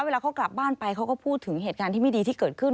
เวลาเขากลับบ้านไปเขาก็พูดถึงเหตุการณ์ที่ไม่ดีที่เกิดขึ้น